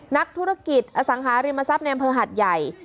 นักธุรกิจอสังหาริมทรัพย์ในอำเภอหัดใหญ่